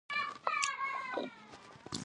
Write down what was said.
هغې د ښایسته خاطرو لپاره د خوږ غزل سندره ویله.